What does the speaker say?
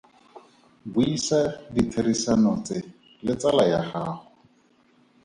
Buisa ditherisano tse le tsala ya gago.